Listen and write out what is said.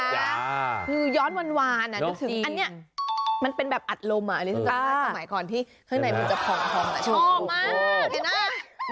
งูย้อนหวานอันนี้มันเป็นแบบอัดลมอ่ะสมัยก่อนที่ข้างในมันจะพล่องออกมาใช่ไหม